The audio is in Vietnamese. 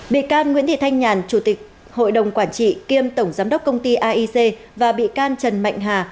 bị can nguyễn thị thanh nhàn chủ tịch hội đồng quản trị kiêm tổng giám đốc công ty aic và bị can trần mạnh hà